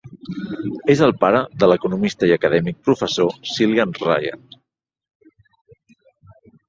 És el pare de l'economista i acadèmic Professor Cillian Ryan.